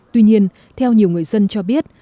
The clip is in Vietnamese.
tuy nhiên theo nhiều người dân cho biết